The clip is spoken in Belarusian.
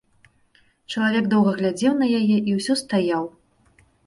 Чалавек доўга глядзеў на яе і ўсё стаяў.